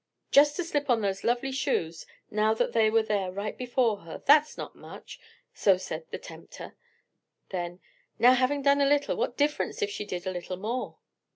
"Just to slip on those lovely shoes, now that they were there right before her, was not much," so said the tempter: then, "Now having done a little, what difference if she did a little more?"